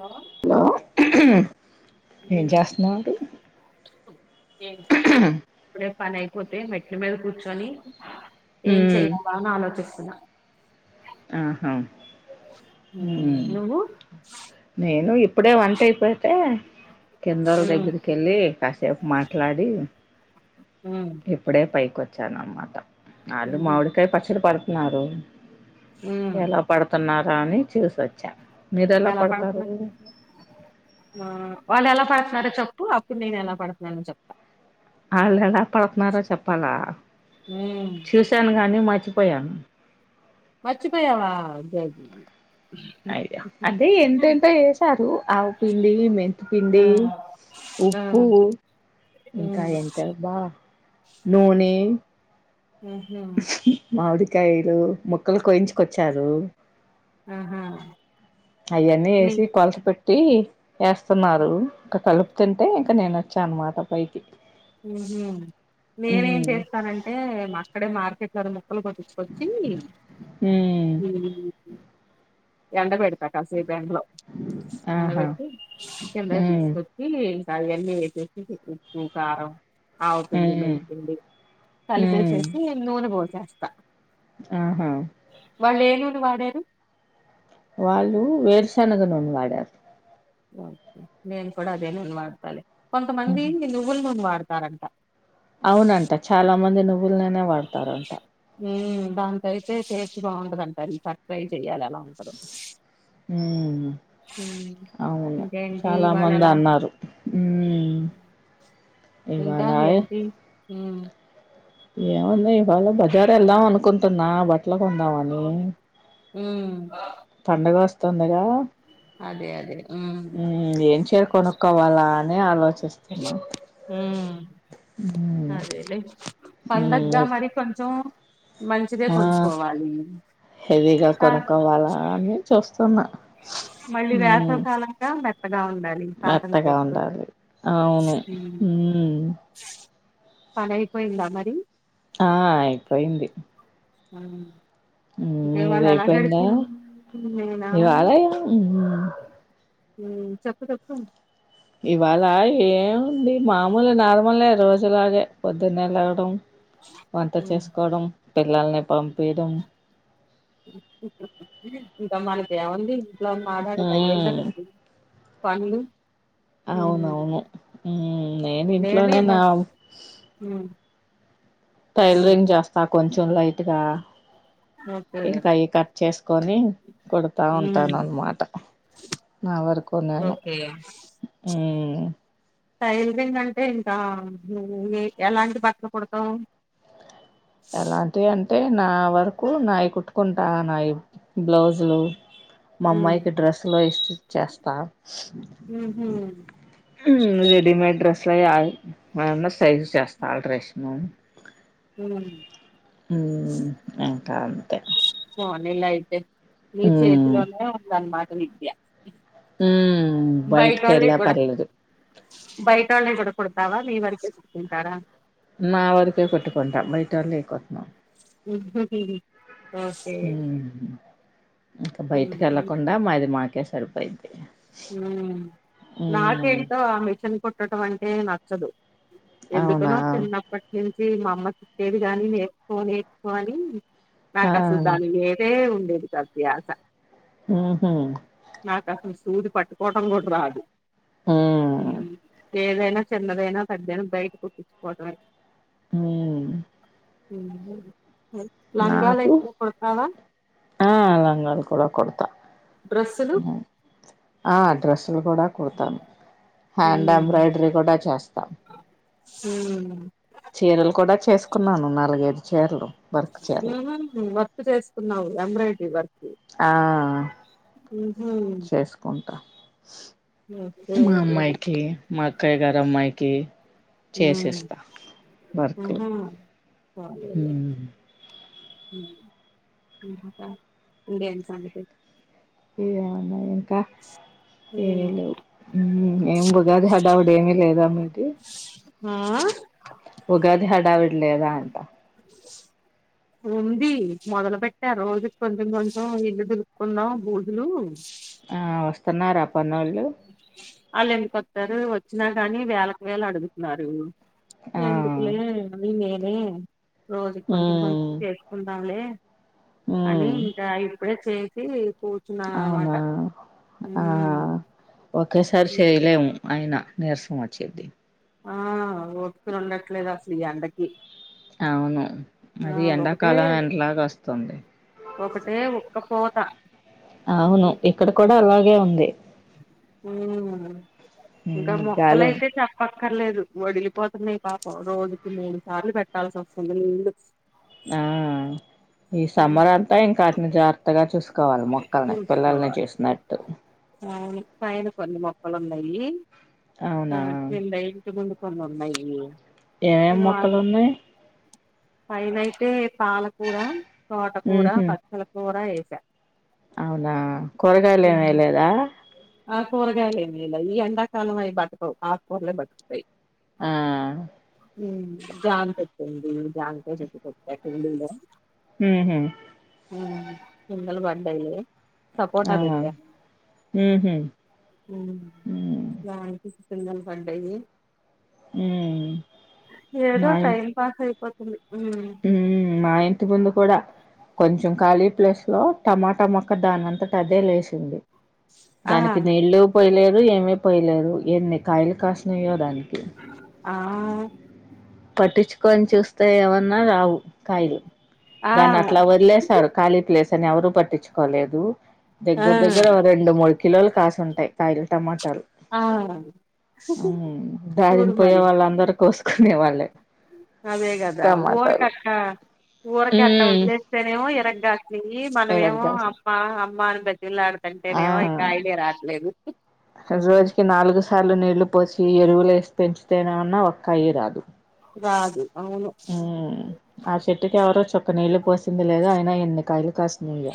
Hollow ఊ ఏం చేస్తున్నారు ఏం చేయట్లేదు ఇప్పుడే పని అయిపోతే తే మెట్ల మీద కూర్చోని ఏం ఉమ్ చెయ్యాలా అని ఆలోచిస్ స్తన్న ఆహా! హు ఉమ్, నువ్వు నేను ఇప్పుడే వంట అయిపోతే కిందోళ్ళ ఉమ్, దగ్గరికి వెళ్ళి కాసేపు మాట్లాడి ఉమ్, ఇప్పుడే పైకి వ చ్చనమ్మాట ఆలు ఉహు, మామిడికాయ పచ్చడి పర న్నారు ఉమ్. ఎలా పడతున్నారా అని చూసోచ్చా, మీరు ఎలా పడతారు ఆ, వాళ్ళు ఎలా పడతున్నారో చెప్పు అప్పుడు నేను ఎలా పడతున్నానో చెప్తా ఆళ్ళు ఎలా పడతున్నారో చెప్పాలా, ఉమ్, చూశాను గాని మ చ్చిపోయాను మరచ్చిపోయావా జై అయ్యా అదే ఎంటెంటో వేసారు ఆవుపిండి ఆ, మెంతపిండి ఆ, ఉప్పు ఇంకా ఉమ్, ఎంత బా నూనె ఆ హ కాయలు ముక్కలు కోయించుకొచ్చారు ఆహా అయ్యన్నీ నీ ఏసి కొలత పె పట్టి వేస్తున్నారు ఇంక కలుపు తింటే ఇంక నేనోచ్చా అన్నమాట పైకి హు హు నేనేం ఉమ్ చేస్తానంటే అక్కడే మార్ [unintelligible] ముక్కలు కొట్టించువచ్చి ఉమ్ ఎండ బడి ప్రకాశే బ్యాంకులో ఆహా నిలబెట్టి కిందకి ఉమ్ తీసుకొచ్చి అవి అన్ని వేసేసి [unintelligible] కారం ఆవపిండి ఉమ్ మెంతిపిండి ఉమ్ కలిపేసేసి నూనె పో చేస్తా ఆహా వాళ్ళు ఏ నూనె వాడేది వాళ్ళు వేరుశనగ నూనె వాడారు ఓకే నేను కూడా అదే నూనె వాడుతలే కొంతమంది నువ్వుల నూనె వాడ తారంట అవునంట చాలా మంది నువ్వు నువ్వుల నూనె వాడతారంట హమ్ దానికైతే టేస్ట్ బాగుంటుందట ఈసారి ట్రై చేయాల హమ్ ఉమ్, అవును ఇంకేంటి చాలా ఇవాళ మంది ఎలా అన్నారు హమ్ ఇంకా ఇవాళ ఏంటి ఉమ్ ఏముంది ఇవాళ బజార్ వెళ్దాం అనుకుంటున్నా బట్ ఎట్ల కొందామని ఉ పండుగ వస్తుందిగా అదే అదే ఉమ్ ఏం చేర కొనుక్కోవాలా అని ఆలోచిస్తున్నా ఉమ్ మ్ అదేలే హమ్ పండగగా మరి కొంచెం మంచిదే ఆ కొనుక్కోవాలి హెవీగా కా కొనుక్కోవాలా అని చూస్తున్నా మళ్ళీ మ్మ్ వేసవకాలంగా మెత్త మెత్తగా ఉండాలి అవును ఉమ్. హమ్ పని అయిపోయిందా మరి ఆ అయిపోయింది ఆ నీద అయిపోయిందా నేనా ఇవ ఆలయం చప్పు చప్పు ఇవాళ ఏముంది మామూలు నార్మలే రోజులాగే పొద్దున్నె లేగడం వంట ఉమ్. చేసుకోవడం పిల్లల్ని పంపీయడం ఇంకా మనకి ఏముంది ఇలా ఆడాడ కాయ ఎన్న మ్మ్ ర పండ్లు అవునవును నేను ఇంట్లోనే నా టైలరింగ్ జాస్తాకొంచం లైట్గా ఓకే ఇంకా అవి కట్ చేసుకొని కూడుత ఉంటాను ఉమ్, అన్నమాట నా వరకు నేను ఓకే టైలరింగ్ అంటే ఇంకా ఎలాంటి బట్టలు కొడతావు ఎలాంటి యన్ అంటే నా వరకు నాయి కుట్టుకుంటా నాయి బ్లౌజులు మా అమ్మాయికి డ్రెస్సు లో ఇష్ చేస్తా హమ్ మ్మ్ రెడీమేడ్ డ్రెస్ అగైన్ సైజ్ చేస్తా అల్డరేషన్ ఓకే హమ్ మ్ ఇంకా తే వనీళ్ల అయితే నీ హ్మ్. చేతిలోనే ఉందన్నమాట కొనిధ్య హ్మ్. బయట వాల్ది బయటికెళ్ళా కూడ పర్లేదు. బయట వాల్ది కూడా ఇప్పుడు పవవి వడిచేర్చుకుంటారా నా వరికే కట్టుకుంటాం బైటోల్ది కుట్ను ఇవ్వకిది కోసేయ్ ఇంకా బయటకి వెళ్ళలకుండా మాది మాకు కే సరిపోయిది ఊ నాకేంటో ఆ మిషన్ కుట్టడం అంటే నా చ్చదు అవునా! ఎందుకనో చిన్నప్పట్ని ఛీ మా అమ్మ కుట్టేది కాగాని నేర్చుకో నేర్చుకోని ఆ! నాకసల్ దాని మీదే ఉన్ నీది పెద్ద యాస అసలు [unintelligible] సూది పట్టుకోవడం కూడా రాదు ఊ హ్మ్. ఏదైనా చిన్నదైనా పెద్దదైనా బయట కుట్టిచ్చుకోవడమే ఊ ఊ నాకు ఆ లంగాలు కూడా కుడతా డ్రెస్సులు ఊ ఆ డ్రస్సులు కూడా కుడతాను హ్యాండ్ ఎంబ్రాయిడరీ కూడా చేస్తా ఊ చీరలు కూడా చేసుకున్నాను నాలుగైదు చీరలు వర్క్ చీరలు. ఊహూ వర్క్ చేస్ కున్నావు ఎంబ్రాయిడరీ వర్క్ ఆ ఉహు చేసుకుంటా ఓకే మా వెరీ అమ్మాయికి మా అక్కయ్య గారి అమ్మాయికి ఉమ్ చేసిస్తా వర్క్ ఉహు ఊమ్ అడినుసంట ఇేమన్నా ఇంకా ఏమీ ఉమ్, లేవు ఏం ఉగాది హడావుడు ఏమిీ లేద మీటి ఉగాది హడావి ది మొదలు పెట్టే రోజు కొంచెం కొంచెం ఇల్లు దులుక్కుందం బూజలు ఆ వస్తున్నార అప్ అలెందుకోతారు వచ్చినా గానీ వేలకు వేలు అడుగుతున్నారు ఆ ఏందుకులే అనీ నేనె ఉమ్ రోజుకు కొంచెం కొంచెం ఉమ్ చేసుకుందాంలే అని ఉమ్ ఇంకా అయి ఇప్పుడే చేసి కూర్చున్నాను అనమాట అవునా ఆ ఉమ్. ఒకేసారి చేయలేము అయిన నీర్సా మోచిది మల్లా ఆ ఓపీక ఉండట్లేదు అసలు ఈ ఎండకి అవున ఆ అది ఒకటే ఎండాకాలంల లాగ వస్తుంది ఆ అవును ఇక్కడ కూడా అలాగే ఉంది ఉ ఇంకా హ్మ్ గాలున్ మొక్కలయితే చెప్పక్కర్లేదు వడిలిపోతున్నాయి పాపం రోజుకి మూడు సార్లు పెట్టాల్సి వస్తుంది నీళ్లు ఆ ఈ ఉమ్. సమ్మర్ అంతా ఇంకా అతని జాగ్రత్తగా చూసుకు కోవాలి మొక్కలని పిల్లల్ని చూసుకోవాలి చూసుకున్నట్ అవును పైన కొన్ని మొక్కలు ఉన్నాయి అవునా [inaudible] మమ్మాయి ఏమేమ్ మొక్కలు ఉన్నాయి పైన అయిన పాలకూర తోటకూర ఊహూ పచ్చల కూర ఏ అవునా కూరగాయలు ఏమ్ ఉమ్. వేయలేదా ఆ కూరగాయల్ ఏమ్ వేయలా ఈ ఎండాకామ్ అయి బతకవ్ ఆ కూరలే బత్ తాయ్ ఆ ఆ జంచెట్టుంది జంకాయ్ చెట్టుకు ఊహూ [inaudible] పిందెలు బడ్ అయి సపోటా పెట్టా ఉంహు ఉమ్ కొంజం పండాయి హ్మ్ ఏదో టైమ్ పాస్ అయిపోతు [inaudible] ఉమ్ మా ఇంటి ముందు కూడా కొంచెం కాళీ ప్లేస్ లో టమాటా మొక్క దానంతట అదే లేసింది ఆ దానికి నీళ్ళ పోయిలే దు ఏమీ పోయలేరదు ఎన్ని కాయలు కాసినయో దాన్ని ఆ పట్టిచు కొని చూస్తే ఎవర్ రావు కాయిలు ఆ దాన్నిఅట్ల వదలేసరు కాలీ ప్లేస్ దాన్ని ఎవరూ పట్టించుకోలేదు ఆ దగ్గర దగ్గర రెండు మూడు కిలోలు కాసు ఉంటాయి కాయలు టమాటాలు ఆ చూడు దారనిపోయే వాళ్ళందర కోసుక లే వాళ్ళే అదేగదు దా ఊరక టమాటాలు అక్క ఊరక అట్ట వలేస్తేనే ఎరగ దెయ్యి మనం ఎరగ ఏమో కాసిన అమ్మా అమ్మా ఆ రోజుకి నాలుగు సార్లు నీళ్లు పోసి ఎరువులు వేస్త పెంచుతేనేమన్నా ఒక్క కాయి రాదు రాదు అవును ఉమ్ ఆ చెట్టుకి ఎవరో చె క్క నీళ్ళు పోసింది లేదు అయిన ఎన్ని కాయలు కాసినయో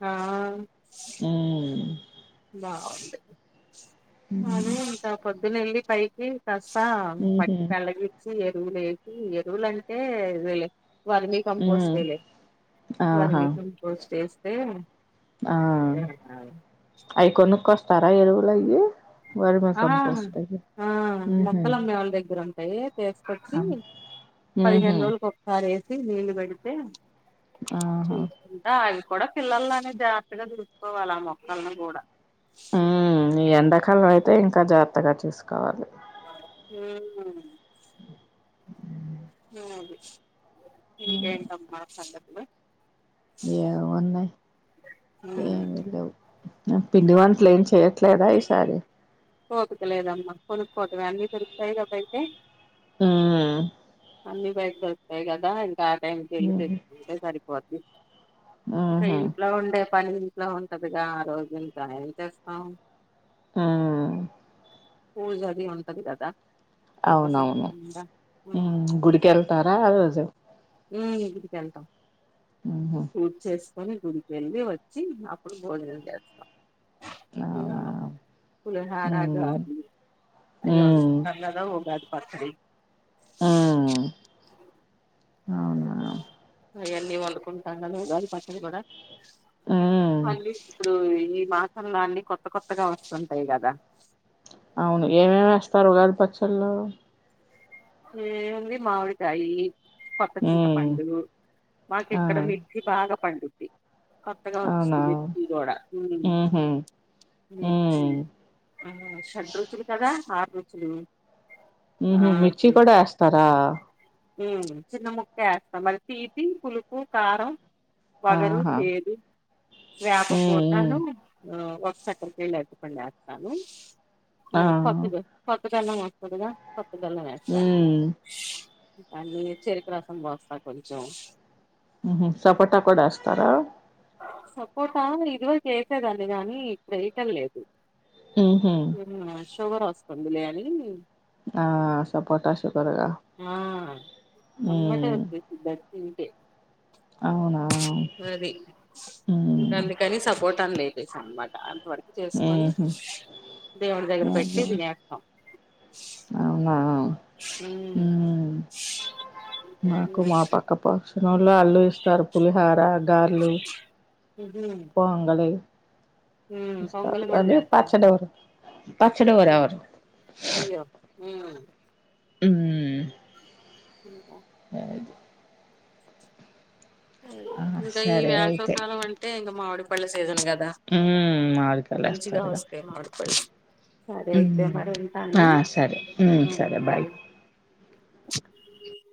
ఆ ఉమ్ బ అదే ఉంత పద్ దిన ఏల్లి పైకి కసా ఉహు మట్టి పెల్లగి ఇచ్చి ఎరువులు వేసి ఎరువులంటేలే వర్మీ కంపోస్ట్ ఉమ్ విలే వర్మ ఆహా కంపస్ట్ వేస్ దే [inaudible] అయి కొనుక్కొస్తారా ఎరువుల అయ్యి ఆ ఆ ఉహు మొక్కలు అమ్మే వాళ్ళ దగ్గర ఉ టాయి వేసుకొచ్చి ఆ ఉహు పదిహేను రోజులకి ఒకసారి నీళ్లు పెడితే ఆహా చూసుకుంటా ఆడే కూడా పిల్లల్లానే జాగ్రత్తగా చుసుకోవాల ఆ మొక్కల్ని కూడా ఉ ఎండాకాలం అయితే ఇంకా జాగ్రత్తగా చూసుకోవాలి ఊమ్ అది ఇకేంటమ్మా సంగతులు ఏం ఉన్నాయ్ ఉమ్ ఏమి లేవ్ పిండి వంటలు ఏం చెయ్యట్లేదా ఈసారి ఓపికలేదమ్మా కొనుక్కోవటమే అన్ని దొరుకుతాయి గా బయటే ఉమ్ అన్ని బయట దొరుకుతాయి కదా ఆ టైం కి వెళ్లి ఉహు తెచ్చుకుంటే సరిపోతుంది ఇక ఉహు ఇంట్లో ఉండే పని ఎట్లో ఉంటదిగా ఆ రోజు అంత ఏం చేస్తాం ఆ పూజ అది ఉంటది గదా అవునవును ఊ గుడికి వెళ్తారా ఆరోజు ఊ గుడికి వెళ్తాం ఉహు పూజ్ చేస్ మార్నింగ్ గుడికి వెళ్ళి వచ్చి అప్పుడు భోజనం చేస్తాం అవునా పులిహోర ఉమ్ గాని అయ్యి ఉమ్ వండుకుంటాం గదా ఉగాదికి పచ్చడి ఆ అవునా అవన్నీ వండుకుంటాం గదా ఉగాది పచ్చడి కూడా హ్మ్. పల్లీస్ ఇప్పుడోయ్ ఈ మాసంలో అన్ని కొత్త కొత్తగా వస్తుంటాయి కదా అవును ఏమేమి వేస్తారు ఉగాది పచ్చళ్ళో ఏం ఉంది మామిడికాయి కొత్త చింత హ్మ్. పండు మాకు ఆ! ఇక్కడ మిర్చి బాగా పండుద్ది కొత్తగా వచ్చింది అవునా? మిర్చి గూడా ఊ హుహు. మిర్చి హ్మ్. ఆ షడ్ రుచులు కదా రుచులు ఉ ఆ హామ్ కూడా వేస్తారా హ చిన్న ముక్క వేస్తాం మరిీ తీపి పులుపు కారం వగరువు ఆహా! చేదు వ్యాప హ్మ్. హ్మ్. పోతాను ఆ వక్ సక్కకిళ్యితుకోంే అస్తాను ఆ! కొత్తది కొ ప ఎలా మాట్కుడదా కొప్పల హ్మ్మ్ అనీ చెరుకు రసం పోస్తా కొంచం సపోటా కూడా వేస్తారా సపోర్టా ఇదివ చేసేదండి కాగానీ ఇప్పుడు వయటం లేదు ఉహు హ్మ్. షుగర్ వస్తుంది లే అని ఆ స పటాశకరగా ఆ హ్మ్మ్ అంతే సరి అది ఉకా హ్మ్. అందుకని సపోర్ట్ లేేసి అనమాట వరకు చేసుకొని హుహు. దేవుడి దగ్గర పెట్టి ఆహా! వినేేస్తాం అవునా? హ్మ్మ్ హ్మ్. నూళ్లో అల్లు ఇస్తారు పులిహార గారూల్ ఉమ్ పోంగాలే పొంగల్ అ కూడా చేస్తాం పచ్చడిరు పచ్చడిరవరు అయ్యో హ్మ్. ఉ కా లేదు ఇంకా ఈ సరే అయితే వేసవకాలం అంటే ఇంకా మామిడి పళ్ళ సీజన్ కా మ్మ్ మామిడికాయలు మంచిగా వేస్తారుగా వస్తాయి ఆడుకోని సరే అయితే మ్మ్ మరి ఉంటాను ఆ సరే మ్మ్ సరే బాయ్